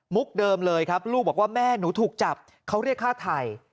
เดิมเลยครับลูกบอกว่าแม่หนูถูกจับเขาเรียกฆ่าไทย